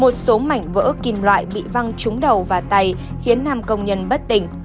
một số mảnh vỡ kim loại bị văng trúng đầu và tay khiến nam công nhân bất tỉnh